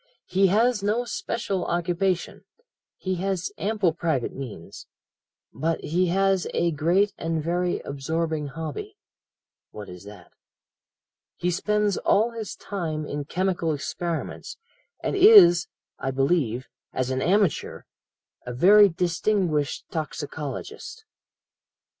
"He has no special occupation. He has ample private means. But he has a great and very absorbing hobby.' "'What is that?' "'He spends all his time in chemical experiments, and is, I believe, as an amateur, a very distinguished toxicologist.'"